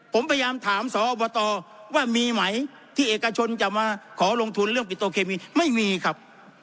ผมพยายามถามสอบตว่ามีไหมที่เอกชนจะมาขอลงทุนเรื่องปิโตเคมีไม่มีครับ